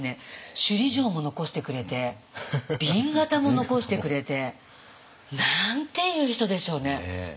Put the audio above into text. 首里城も残してくれて紅型も残してくれて。なんていう人でしょうね。